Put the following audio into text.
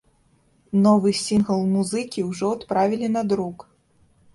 Новы сінгл музыкі ўжо адправілі на друк.